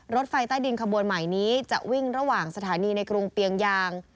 รถไฟใต้ดินขบวนใหม่นี้จะวิ่งระหว่างสถานีในกรุงเปียงยาง